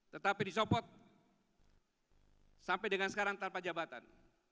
tetapi disopot sampai dengan sekarang tanpa jabatan